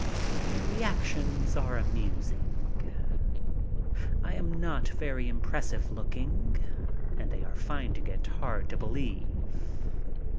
Their reactions are amus ing. I am not very impressive looking and they are finding it hard to believe.